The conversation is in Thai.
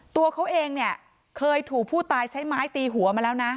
ตัวเขาเองเนี่ยเคยถูกผู้ตายใช้ไม้ตีหัวมาแล้วนะ